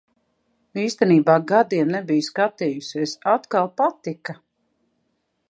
Īstenībā gadiem nebiju skatījusies. Atkal patika.